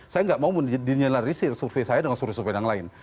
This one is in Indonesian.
saya nggak mau dinyalarisir survei saya dengan survei survei yang lain